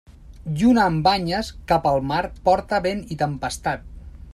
Lluna amb banyes cap al mar porta vent i tempestat.